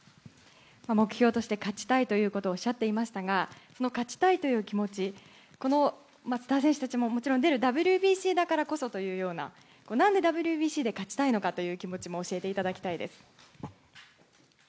目標として勝ちたいということをおっしゃっていましたが、その勝ちたいという気持ち、このスター選手ももちろん出るＷＢＣだからこそという、何でＷＢＣで勝ちたいのかという気持ちも教えていただきたいです。